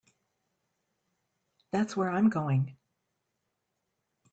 That's where I'm going.